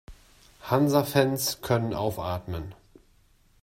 Hansa-Fans können aufatmen.